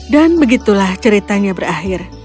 dan begitulah ceritanya berakhir